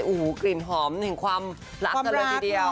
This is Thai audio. โอ้โหกลิ่นหอมแห่งความรักกันเลยทีเดียว